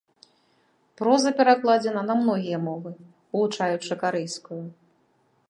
Проза перакладзена на многія мовы, улучаючы карэйскую.